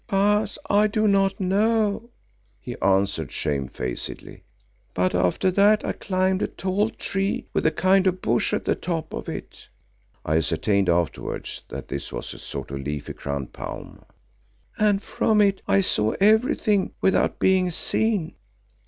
"Baas, I do not know," he answered shamefacedly, "but after that I climbed a tall tree with a kind of bush at the top of it" (I ascertained afterwards that this was a sort of leafy crowned palm), "and from it I saw everything without being seen."